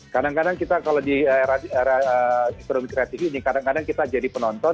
kadang kadang kita kalau di era ekonomi kreatif ini kadang kadang kita jadi penonton